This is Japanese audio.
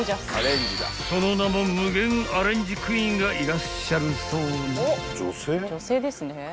［その名も無限アレンジクイーンがいらっしゃるそうな］